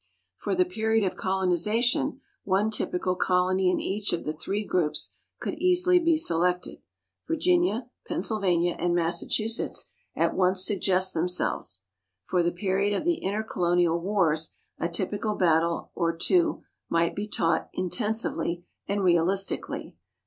For the period of colonization one typical colony in each of the three groups could easily be selected. Virginia, Pennsylvania, and Massachusetts at once suggest themselves. For the period of the intercolonial wars a typical battle or two might be taught intensively and realistically.